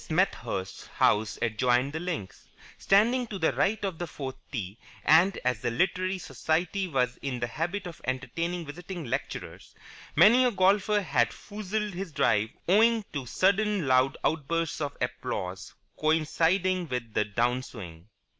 Smethurst's house adjoined the links, standing to the right of the fourth tee: and, as the Literary Society was in the habit of entertaining visiting lecturers, many a golfer had foozled his drive owing to sudden loud outbursts of applause coinciding with his down swing.